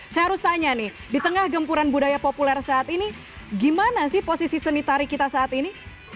saya harus tanya nih di tengah gempuran budaya populer saat ini gimana sih posisi seni tari kita saat ini